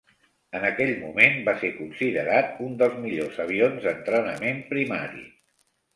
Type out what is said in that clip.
En aquell moment va ser considerat un dels millors avions d'entrenament primari.